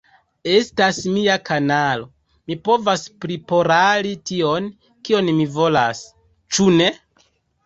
Estas mia kanalo, mi povas priporali tion, kion mi volas. Ĉu ne?